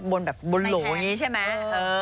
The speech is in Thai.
โดนแบบโดระแบบนี้ใช่ไหม